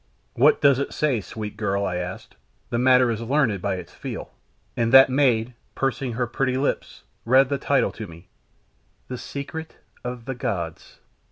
"What does it say, sweet girl?" I asked. "The matter is learned, by its feel," and that maid, pursing up her pretty lips, read the title to me "The Secret of the Gods."